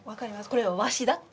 これは和紙だって。